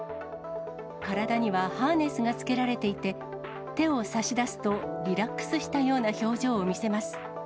体にはハーネスが付けられていて、手を差し出すと、リラックスしたような表情を見せます。